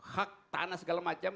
hak tanah segala macam